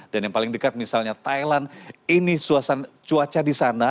dan yang paling dekat misalnya thailand ini cuaca di sana